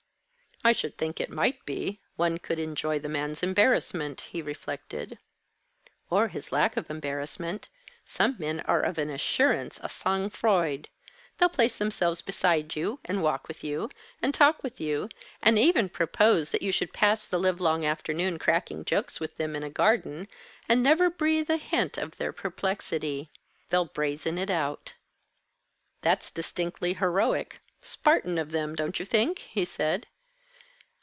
"I should think it might be. One could enjoy the man's embarrassment," he reflected. "Or his lack of embarrassment. Some men are of an assurance, of a sang froid! They'll place themselves beside you, and walk with you, and talk with you, and even propose that you should pass the livelong afternoon cracking jokes with them in a garden, and never breathe a hint of their perplexity. They'll brazen it out." "That's distinctly heroic, Spartan, of them, don't you think?" he said.